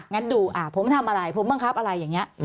งั้นดูผมทำอะไรผมบังคับอะไรอย่างนี้